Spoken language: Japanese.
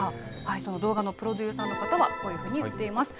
その動画のプロデューサーの方は、こういうふうに言っています。